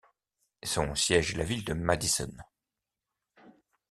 Son siège est la ville de Madison.